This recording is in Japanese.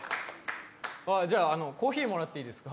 じゃあコーヒーもらっていいですか？